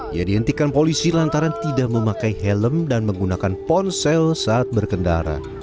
ia dihentikan polisi lantaran tidak memakai helm dan menggunakan ponsel saat berkendara